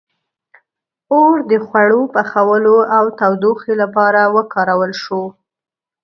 • اور د خوړو پخولو او تودوخې لپاره وکارول شو.